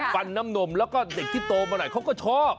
ฟันน้ำนมแล้วก็เด็กที่โตมาหน่อยเขาก็ชอบ